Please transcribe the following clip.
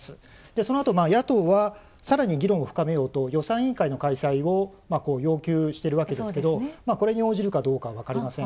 そのあと、野党はさらに議論を深めようと予算委員会の開催を要求しているわけですけどこれに応じるかどうか分かりません。